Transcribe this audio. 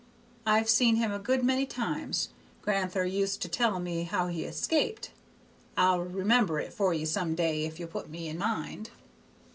I've seen him a good many times. Gran'ther used to tell me how he escaped. I'll remember it for ye some day if you'll put me in mind.